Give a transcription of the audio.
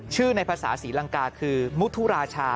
ชื่อในภาษาศรีรังกาคือมุฒุราชา